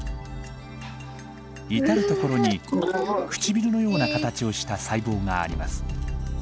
至る所にくちびるのような形をした細胞があります。